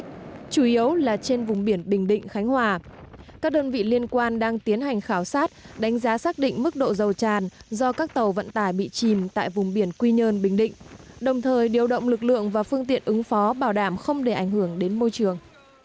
các đơn vị liên quan đang tiến hành khảo sát đánh giá xác định mức độ dầu tràn do các tàu vận tải bị chìm tại vùng biển quy nhơn bình định đồng thời điều động lực lượng và phương tiện ứng phó bảo đảm không để ảnh hưởng đến môi trường